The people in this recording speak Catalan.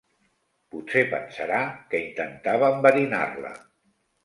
Potser pensarà que intentava enverinar-la.